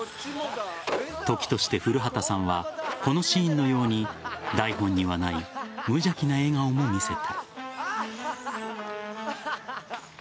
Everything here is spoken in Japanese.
時として古畑さんはこのシーンのように台本にはない無邪気な笑顔も見せた。